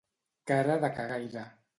Cara de cagaire.